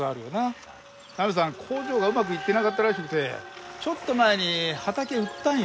工場がうまくいってなかったらしくてちょっと前に畑売ったんよ。